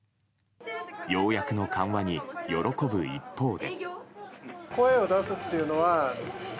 ようやくの緩和に喜ぶ一方で。